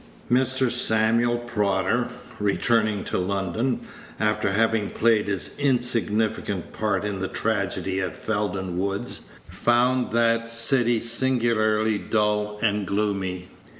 Mr. Samuel Prodder, returning to London, after having played his insignificant part in Page 162 the tragedy at Felden Woods, found that city singularly dull and gloomy.